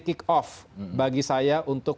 kick off bagi saya untuk